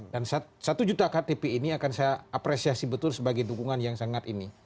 dan satu juta ktp ini akan saya apresiasi betul sebagai dukungan yang sangat ini